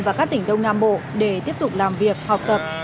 và các tỉnh đông nam bộ để tiếp tục làm việc học tập